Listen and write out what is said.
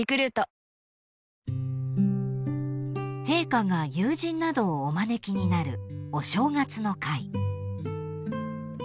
［陛下が友人などをお招きになるお正月の会］